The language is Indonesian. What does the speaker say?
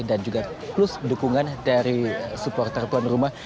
dan juga plus dukungan dari supporter tuan rumah